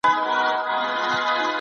زه په کتابتون کې څېړنه کوم.